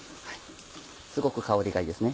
すごく香りがいいですね。